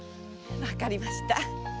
わかりました。